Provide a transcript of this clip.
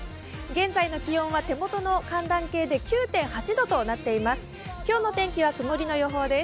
現在の気温は手元の寒暖計で９．８度となっています。